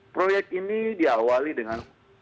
proyek ini diawali dengan